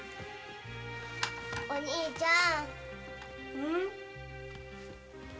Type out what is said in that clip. お兄ちゃん。